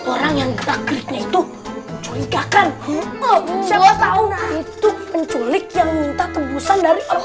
orang yang ketakutnya itu curigakan huhuhu siapa tahu itu penculik yang minta tebusan dari orang